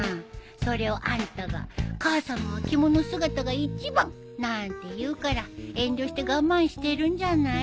それをあんたが「母さまは着物姿が一番」なんて言うから遠慮して我慢してるんじゃない？